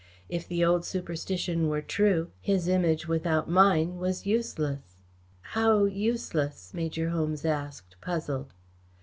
If the old superstition were true, his Image without mine was useless." "How, useless?" Major Holmes asked, puzzled.